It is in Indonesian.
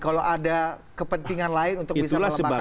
kalau ada kepentingan lain untuk bisa melemahkan